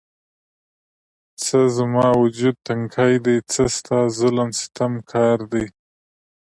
څه زما وجود تنکی دی، څه ستا ظلم ستم کار دی